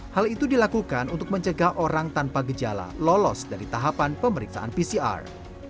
hal itu dilakukan untuk mencegah orang tanpa gejala lolos dari tahapan pemeriksaan pcr